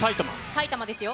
埼玉ですよ。